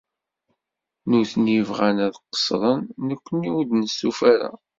Nutni bɣan ad qeṣṣren, nekni ur d-nestufa ara.